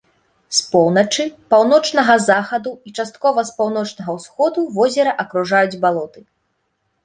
З поўначы, паўночнага захаду і часткова з паўночнага ўсходу возера акружаюць балоты.